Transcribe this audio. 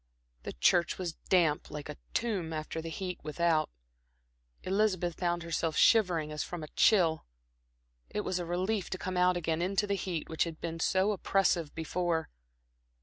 The church was damp like a tomb after the heat without; Elizabeth found herself shivering as from a chill. It was a relief to come out again into the heat which had been so oppressive before.